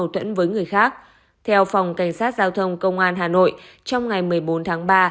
theo phòng cảnh sát giao thông công an hà nội trong ngày một mươi bốn tháng ba